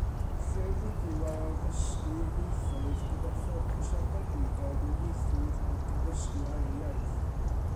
Llyfr ydyw ar addysgu ieithoedd gyda ffocws arbennig ar ddwyieithrwydd ac addysgu ail iaith.